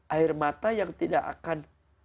air mata yang tidak akan